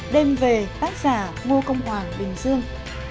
đêm về tác giả ngo công hoàng bình dương